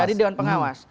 dari dewan pengawas